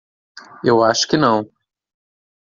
Eu acho que não.